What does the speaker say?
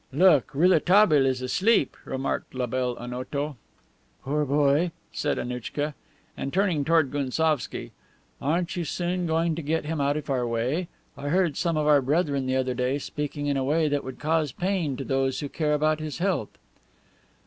"Look, Rouletabaille is asleep," remarked la belle Onoto. "Poor boy!" said Annouchka. And, turning toward Gounsovski: "Aren't you soon going to get him out of our way? I heard some of our brethren the other day speaking in a way that would cause pain to those who care about his health."